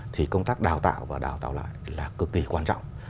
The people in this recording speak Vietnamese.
thì công tác đào tạo và đào tạo lại là cực kỳ quan trọng